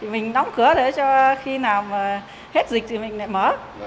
mình đóng cửa để khi nào hết dịch thì mình lại mở